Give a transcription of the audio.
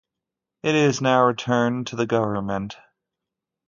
It is now returned to the government.